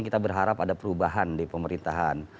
kita berharap ada perubahan di pemerintahan